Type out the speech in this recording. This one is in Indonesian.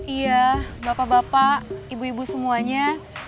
iya bapak bapak ibu ibu semuanya